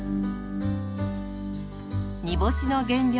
煮干しの原料